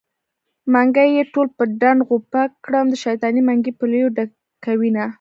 منګي يې ټول په ډنډ غوپه کړم د شيطانۍ منګی په لپو ډکوينه